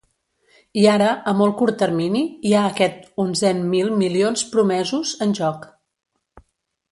I ara, a molt curt termini, hi ha aquests onzen mil milions promesos, en joc.